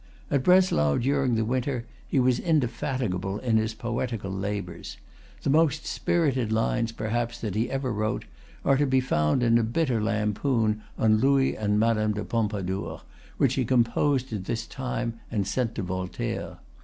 At Breslau during the winter, he was indefatigable in his poetical labors. The most spirited lines, perhaps, that he ever wrote are to be found in a bitter lampoon on Louis and Madame de Pompadour, which he composed at this time, and sent to Voltaire.